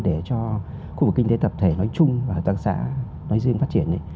để cho khu vực kinh tế tập thể nói chung và hợp tác xã nói riêng phát triển